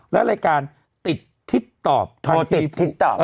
แล้วรายการติดทิศตอบโทรทิศตอบ